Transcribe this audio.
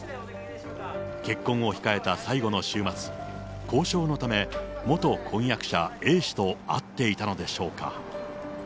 結婚を控えた最後の週末、交渉のため、元婚約者、Ａ氏と会っていたのでしょうか。